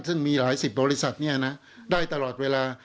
ซึ่งมีหลายสิบบริษัทได้ตลอดเวลา